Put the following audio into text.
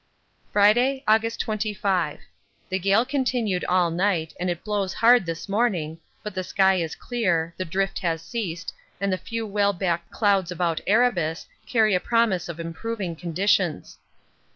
Friday, August 25. The gale continued all night and it blows hard this morning, but the sky is clear, the drift has ceased, and the few whale back clouds about Erebus carry a promise of improving conditions.